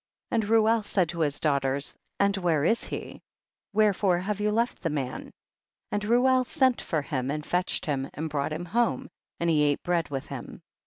19. And Reuel said to his daugh ters, and where is he ? wherefore have you left the man ? 20. And Reuel sent for him and fetched him and brought him home, and he ate bread with him.